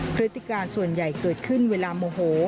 พฤติการส่วนใหญ่เกิดขึ้นเวลาโมโห